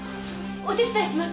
お手伝いします。